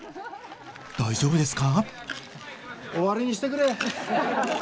大丈夫ですか？